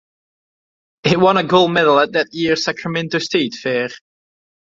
It won a gold medal at that year's Sacramento State Fair.